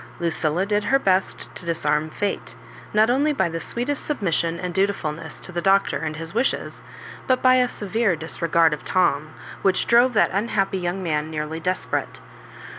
Lucilla did her best to disarm fate, not only by the sweetest submission and dutifulness to the Doctor and his wishes, but by a severe disregard of Tom, which drove that unhappy young man nearly desperate.